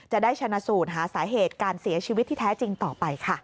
จะได้ชนะสูตรหาสาเหตุการเสียชีวิตที่แท้จริงต่อไปค่ะ